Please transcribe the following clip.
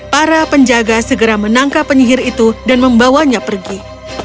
para penjaga segera menangkap penyihir itu dan membawanya pergi